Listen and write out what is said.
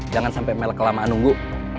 jangan sampai kelamaan nunggu